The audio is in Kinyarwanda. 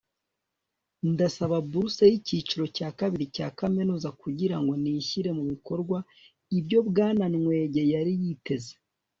ndasaba buruse y'icyiciro cya kabiri cya kaminuza kugira ngo nishyire mu bikorwa ibyo bwana nwege yari yiteze